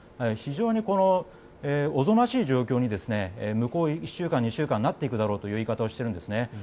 非常におぞましい状況に向こう１週間、２週間なっていくだろうという言い方をしているんですね。